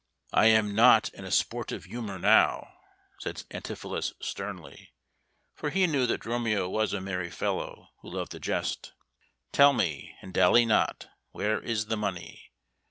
"I am not in a sportive humour now," said Antipholus sternly, for he knew that Dromio was a merry fellow, who loved a jest. "Tell me, and dally not, where is the money?